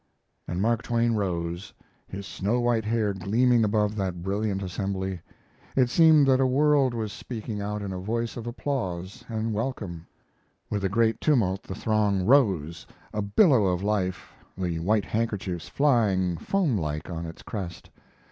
and Mark Twain rose, his snow white hair gleaming above that brilliant assembly, it seemed that a world was speaking out in a voice of applause and welcome. With a great tumult the throng rose, a billow of life, the white handkerchiefs flying foam like on its crest.